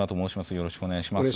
よろしくお願いします。